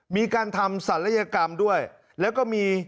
มีการทำศัลยกรรมด้วยแล้วก็มี